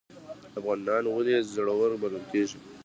افغانان ولې زړور بلل کیږي؟